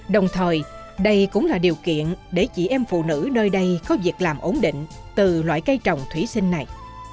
đồng thời đây cũng là điều kiện để chị em phụ nữ nơi đây có việc làm ổn định từ loại cây trồng thủy sinh này